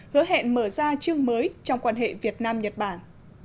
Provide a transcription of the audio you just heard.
hứa hẹn mở ra chương mới trong quan hệ việt nam nhật bản